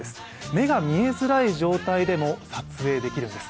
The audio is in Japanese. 目が見えづらい状態でも撮影できるんです。